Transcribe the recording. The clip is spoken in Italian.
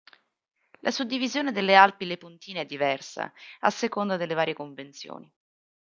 La suddivisione delle Alpi Lepontine è diversa, a seconda delle varie convenzioni.